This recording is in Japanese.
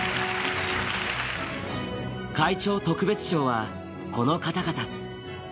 会長特別賞はこの方々。